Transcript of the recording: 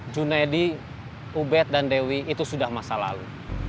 junedi ubed dan dewi itu sudah masa lalu